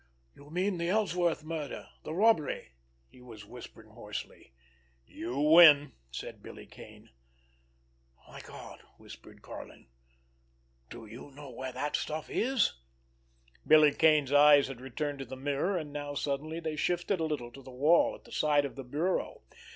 "You mean the Ellsworth murder—the robbery?" He was whispering hoarsely. "You win!" said Billy Kane. "My God!" whispered Karlin. "Do you know where that stuff is?" Billy Kane's eyes had returned to the mirror, and now suddenly they shifted a little to the wall at the side of the bureau.